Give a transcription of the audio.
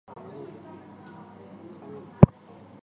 无论原始的或修改过的原始码都不能被重新散布。